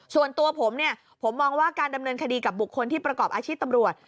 ส่วนตัวผมเนี่ยผมมองว่าการดำเนินคดีกับบุคคลที่ประกอบอาชีพตำรวจ